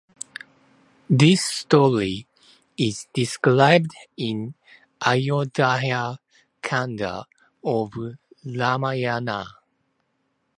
This story is described in Ayodhya Kanda of "Ramayana".